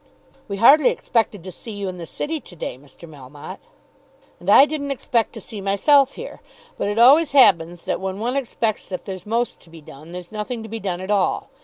"We hardly expected to see you in the City to day, Mr. Melmotte." "And I didn't expect to see myself here. But it always happens that when one expects that there's most to be done, there's nothing to be done at all.